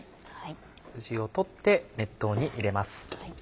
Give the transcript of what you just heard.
スジを取って熱湯に入れます。